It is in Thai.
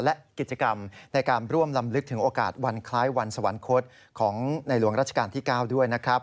และกิจกรรมในการร่วมลำลึกถึงโอกาสวันคล้ายวันสวรรคตของในหลวงราชการที่๙ด้วยนะครับ